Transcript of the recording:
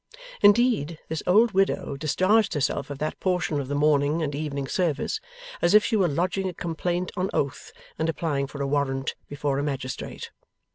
Indeed, this old widow discharged herself of that portion of the Morning and Evening Service as if she were lodging a complaint on oath and applying for a warrant before a magistrate.